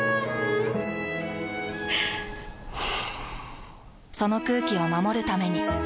ふぅその空気を守るために。